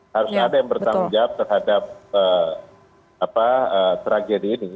harus ada yang bertanggung jawab terhadap tragedi ini